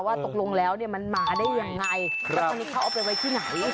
ว่าตกลงแล้วเนี่ยมันมาได้อย่างไร